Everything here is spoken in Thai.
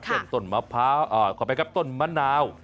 เช่นต้นมะพร้าวก่อนไปกับต้นมะนาว